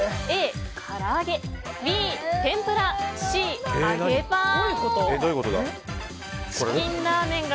Ａ、唐揚げＢ、天ぷらＣ、揚げパン。